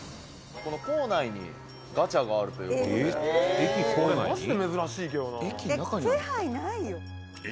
「この構内にガチャがあるという事で」えっ？